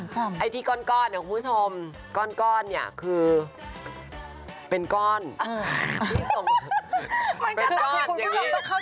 จริงครึ่งค่ะ